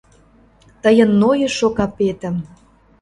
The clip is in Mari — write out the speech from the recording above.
Тыйын нойышо капетым